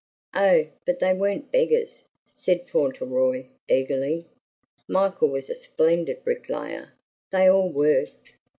"Oh! but they weren't beggars," said Fauntleroy eagerly. "Michael was a splendid bricklayer! They all worked."